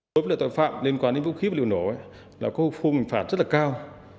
tội phạm liên quan đến vũ khí và lợi nổ là có khu vụ nguyện phạt rất cao